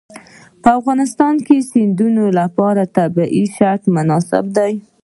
په افغانستان کې د سیندونه لپاره طبیعي شرایط مناسب دي.